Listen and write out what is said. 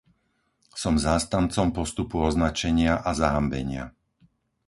Som zástancom postupu označenia a zahanbenia.